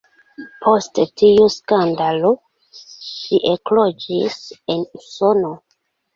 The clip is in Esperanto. Post tiu skandalo ŝi ekloĝis en Usono.